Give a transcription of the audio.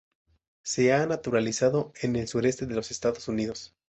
Se ha naturalizado en el sureste de los Estados Unidos.